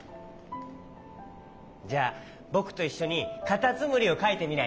じゃあぼくといっしょにカタツムリをかいてみない？